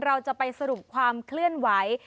เราจะไปสรุปความเคลื่อนไหว